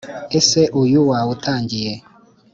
Ese uyu wawutangiye